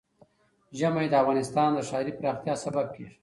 ژمی د افغانستان د ښاري پراختیا سبب کېږي.